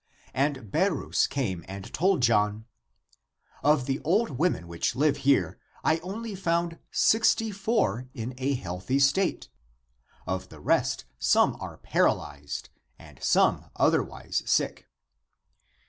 And Be rus came and told John, "Of the old women which live here, I only found sixty four in a healthy state ; of the rest some are paralyzed and some otherwise sick."